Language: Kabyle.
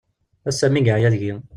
Ass-a mi yeɛya deg-i.